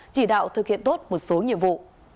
chỉ đạo thực hiện tốt một số nhiệm vụ